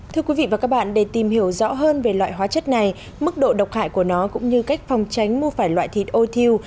thưa quý vị và các bạn để tìm hiểu rõ hơn về loại hóa chất này mức độ độc hại của nó cũng như cách phòng tránh mua phải loại thịt ôi thiêu